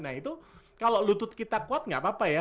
nah itu kalau lutut kita kuat gak apa apa ya